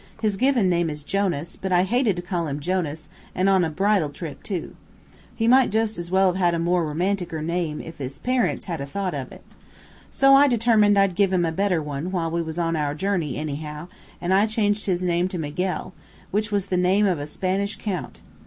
His given name is Jonas, but I hated to call him Jonas, an' on a bridal trip, too. He might jus' as well have had a more romantic er name, if his parents had 'a' thought of it. So I determined I'd give him a better one, while we was on our journey, anyhow, an' I changed his name to Miguel, which was the name of a Spanish count.